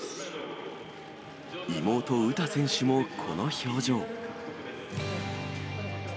妹、詩選手もこの表情。